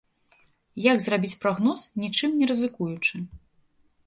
Як зрабіць прагноз, нічым не рызыкуючы?